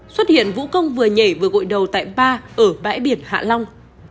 xuất hiện vũ công vừa nhảy vừa gội đầu tại ba ở bãi biển hạ long